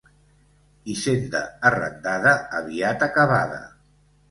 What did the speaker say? Hisenda arrendada aviat acabada.